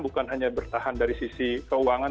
bukan hanya bertahan dari sisi keuangan